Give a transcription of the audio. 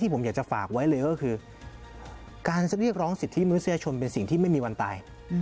ผมอยากจะฝากไว้เลยก็คือการเรียกร้องสิทธิมนุษยชนเป็นสิ่งที่ไม่มีวันตาย